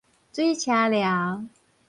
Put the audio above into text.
水車寮